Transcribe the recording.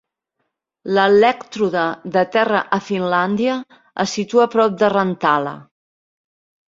L'elèctrode de terra a Finlàndia es situa prop de Rantala.